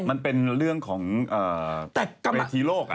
มันเป็นเรื่องของเวทีโลก